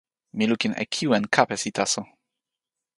mi lukin e kiwen kapesi taso.